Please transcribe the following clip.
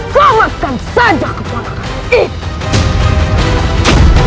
fahamkan saja keponakanmu